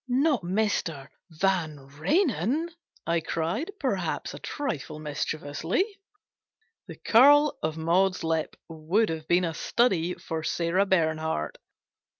Not Mr. Varirenen !" I cried, perhaps just a trifle mischievously. The curl of Maud's lip would have been a study for Sarah Bernhardt.